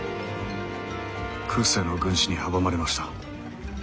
空誓の軍師に阻まれました。